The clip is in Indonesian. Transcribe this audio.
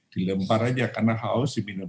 dilempar aja karena haus diminum